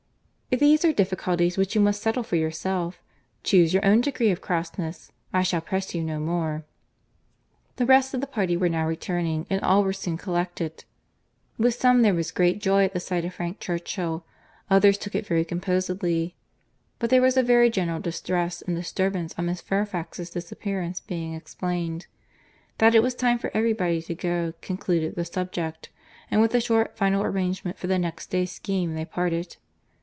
"These are difficulties which you must settle for yourself. Chuse your own degree of crossness. I shall press you no more." The rest of the party were now returning, and all were soon collected. With some there was great joy at the sight of Frank Churchill; others took it very composedly; but there was a very general distress and disturbance on Miss Fairfax's disappearance being explained. That it was time for every body to go, concluded the subject; and with a short final arrangement for the next day's scheme, they parted.